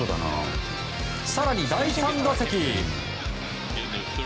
更に第３打席。